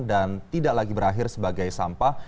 dan tidak lagi berakhir sebagai sampah